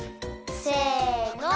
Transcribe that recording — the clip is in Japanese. せの！